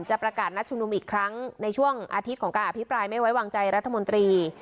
ประกาศนัดชุมนุมอีกครั้งในช่วงอาทิตย์ของการอภิปรายไม่ไว้วางใจรัฐมนตรี